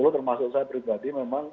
termasuk saya pribadi memang